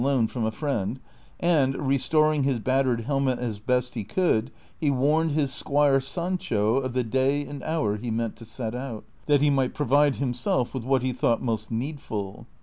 loan from a friend, and, restoring his battered helmet as best he could, he warned his squire Sancho of the day and hour he meant to set out, that he might provide himself with what he thought most needful.